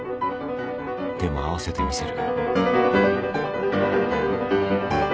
でも合わせてみせる